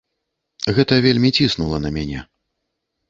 Гэта вельмі ціснула на мяне.